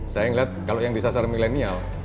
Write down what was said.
saya melihat kalau yang disasar milenial